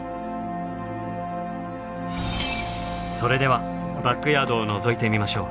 それではバックヤードをのぞいてみましょう。